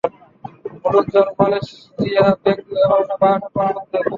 হলুদ জ্বর, malaria, dengue এবং বার্ড ফ্লুতে?